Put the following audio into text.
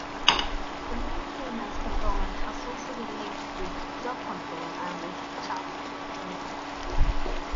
The "meaningfulness" component has also been linked with Job control and with task significance.